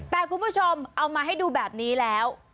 แต่คุณผู้ชมเอามาให้ดูแบบนี้แล้ว